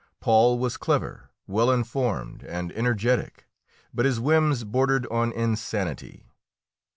Paul was clever, well informed and energetic, but his whims bordered on insanity.